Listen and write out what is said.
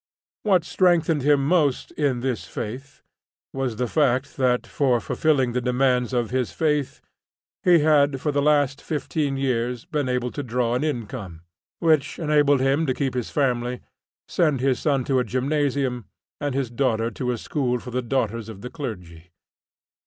What strengthened him most in this faith was the fact that, for fulfilling the demands of this faith, he had for the last 15 years been able to draw an income, which enabled him to keep his family, send his son to a gymnasium and his daughter to a school for the daughters of the clergy.